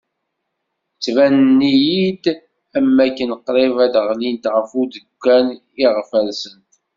Ttbanent-iyi-d am wakken qrib ad d-ɣlint ɣef udekkan iɣef rsent.